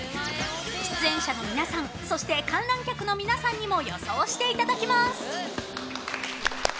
出演者の皆さんそして、観覧客の皆さんにも予想していただきます！